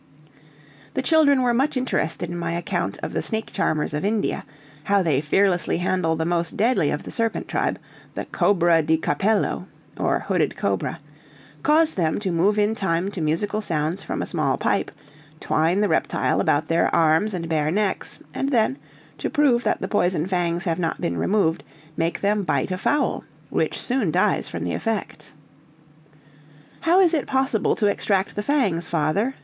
The children were much interested in my account of the snake charmers of India, how they fearlessly handle the most deadly of the serpent tribe, the Cobra di Capello or hooded cobra cause them to move in time to musical sounds from a small pipe, twine the reptile about their arms and bare necks, and then, to prove that the poison fangs have not been removed, make them bite a fowl, which soon dies from the effects. "How is it possible to extract the fangs, father!"